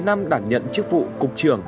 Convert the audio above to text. một mươi năm đảm nhận chức vụ cục trưởng